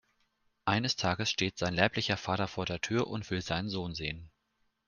Eines Tages steht sein leiblicher Vater vor der Tür und will seinen Sohn sehen.